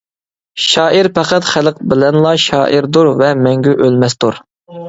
شائىر پەقەت خەلق بىلەنلا شائىردۇر ۋە مەڭگۈ ئۆلمەستۇر!